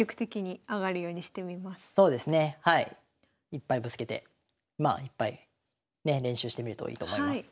いっぱいぶつけていっぱいね練習してみるといいと思います。